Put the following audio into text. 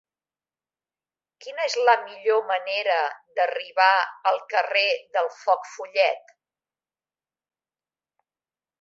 Quina és la millor manera d'arribar al carrer del Foc Follet?